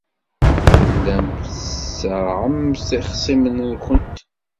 Tellamt tṣerrɛemt ixṣimen-nwent.